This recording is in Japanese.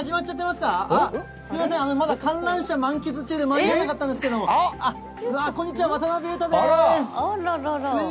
すみません、まだ観覧車満喫中で間に合わなかったんですけども、こんにちは、渡辺裕太です。